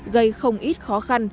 gây không ít khó khăn